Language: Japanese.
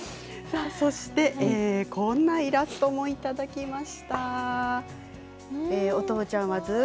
こんなイラストもいただきました。